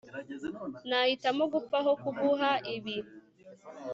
nahitamo gupfa aho kuguha ibi